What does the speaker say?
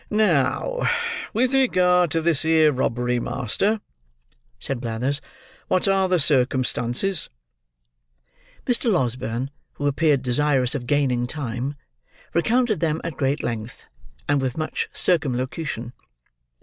"Now, with regard to this here robbery, master," said Blathers. "What are the circumstances?" Mr. Losberne, who appeared desirous of gaining time, recounted them at great length, and with much circumlocution.